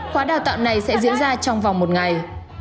khóa đào tạo này sẽ diễn ra trong vòng một ngày